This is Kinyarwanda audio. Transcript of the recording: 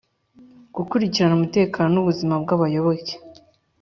Gukurikirana umutekano n’ ubuzima bw’abayoboke